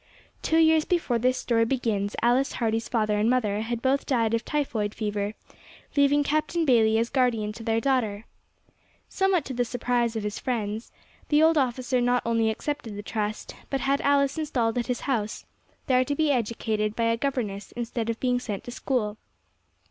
Two years before this story begins Alice Hardy's father and mother had both died of typhoid fever, leaving Captain Bayley as guardian to their daughter. Somewhat to the surprise of his friends, the old officer not only accepted the trust, but had Alice installed at his house, there to be educated by a governess instead of being sent to school.